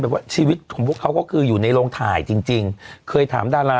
ว่าชีวิตของพวกเขาก็คืออยู่ในโรงถ่ายจริงจริงเคยถามดารา